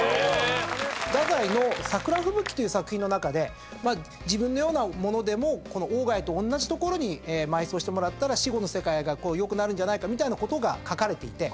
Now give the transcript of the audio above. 太宰の『花吹雪』という作品の中で自分のような者でも鴎外と同じ所に埋葬してもらったら死後の世界が良くなるんじゃないかみたいなことが書かれていて。